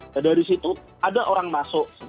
nah dari situ ada orang masuk